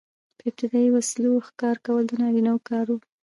په ابتدايي وسلو ښکار کول د نارینه وو کار و.